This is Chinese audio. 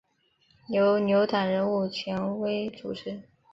由牛党人物钱徽主持。